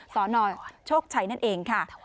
สนโชคชัยนั่นเองค่ะ